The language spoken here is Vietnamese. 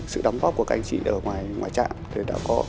sự đóng góp của các anh chị ở ngoài trạng